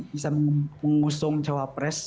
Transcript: bisa mengusung cawapres